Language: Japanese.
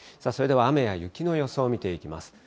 それでは雨や雪の予想を見ていきます。